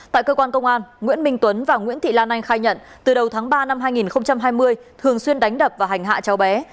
tại cơ quan công an nguyễn minh tuấn và nguyễn thị lan anh khai nhận từ đầu tháng ba năm hai nghìn hai mươi thường xuyên đánh đập và hành hạ cháu bé